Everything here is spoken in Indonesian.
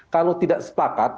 kalau tidak sepakat